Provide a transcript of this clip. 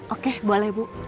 oke boleh bu